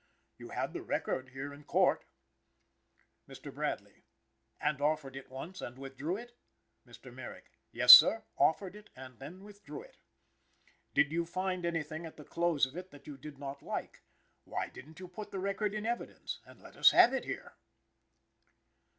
You had the record here in Court. "Mr. Bradley: And offered it once and withdrew it? "Mr. Merrick: Yes, sir; offered it and then withdrew it. "Did you find anything at the close of it that you did not like? Why didn't you put that record in evidence, and let us have it here?"